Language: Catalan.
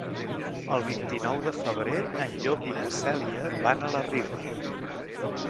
El vint-i-nou de febrer en Llop i na Cèlia van a la Riba.